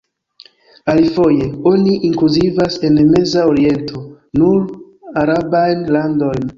Alifoje, oni inkluzivas en "Meza Oriento" nur arabajn landojn.